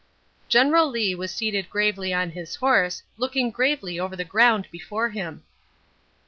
General Lee was seated gravely on his horse, looking gravely over the ground before him.